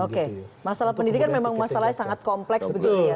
oke masalah pendidikan memang masalahnya sangat kompleks begitu ya